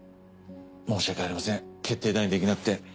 申し訳ありません決定打にできなくて。